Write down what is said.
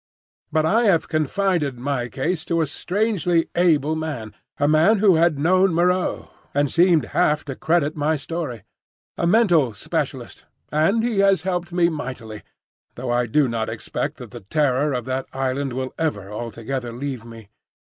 But I have confided my case to a strangely able man,—a man who had known Moreau, and seemed half to credit my story; a mental specialist,—and he has helped me mightily, though I do not expect that the terror of that island will ever altogether leave me.